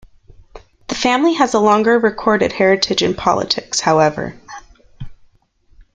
The family has a longer recorded heritage in politics, however.